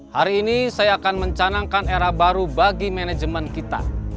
hari ini saya akan mencanangkan era baru bagi manajemen kita